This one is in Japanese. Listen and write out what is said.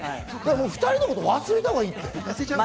２人のこと、忘れたほうがいい。